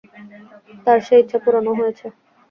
তাঁর সে ইচ্ছা পূরণও হয়েছে।